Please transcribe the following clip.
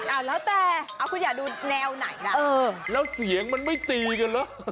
เอาแล้วแต่เอาคุณอยากดูแนวไหนล่ะเออแล้วเสียงมันไม่ตีกันเหรอ